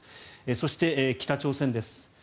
そして、北朝鮮です。